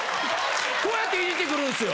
こうやっていじってくるんすよ。